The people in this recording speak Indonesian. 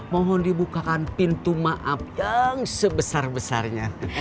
mohon dibukakan pintu maaf yang sebesar besarnya